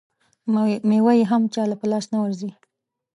مېوه یې هم چا له په لاس نه ورځي.